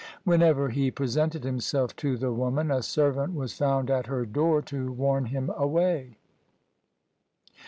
Whenever he presented himself to the woman, a servant was found at her door to warn him away.